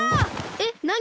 えっなに？